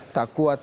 tak kuat berhenti